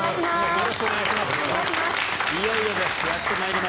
よろしくお願いします。